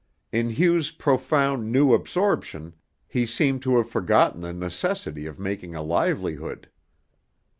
In Hugh's profound new absorption he seemed to have forgotten the necessity for making a livelihood.